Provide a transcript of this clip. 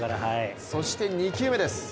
そして２球目です